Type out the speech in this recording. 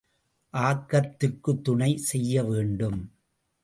ஆக்கத்திற்குத் துணை செய்ய வேண்டும்.